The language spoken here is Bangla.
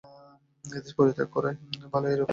এ দেশ পরিত্যাগ করিয়া যাওয়াই ভালো এইরূপ সকলের মত হইল।